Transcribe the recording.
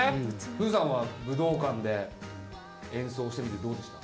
ブーさんは武道館で演奏してみてどうでした？